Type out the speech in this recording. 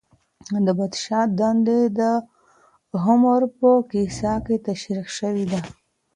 د پادشاه دندې د هومر په کيسه کي تشريح سوې دي.